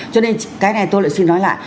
cho nên cái này tôi lại xin nói lại